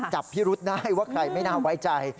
จับพี่ฤทธิ์นะว่าใครไม่น่าไว้ใจ